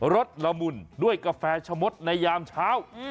สละมุนด้วยกาแฟชะมดในยามเช้า